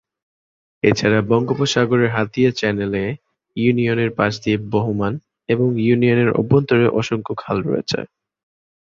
এছাড়া বঙ্গোপসাগরের হাতিয়া চ্যানেল এ ইউনিয়নের পাশ দিয়ে বহমান এবং ইউনিয়নের অভ্যন্তরে অসংখ্য খাল রয়েছে।